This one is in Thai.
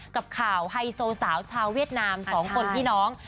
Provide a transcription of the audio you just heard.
กับข่าวไฮโซสาวชาวเวียดนาม๒คนพี่น้อง